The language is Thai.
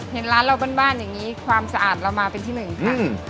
เห็นร้านเราบ้านอย่างนี้ความสะอาดเรามาเป็นที่หนึ่งค่ะ